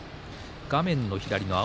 画面の左の安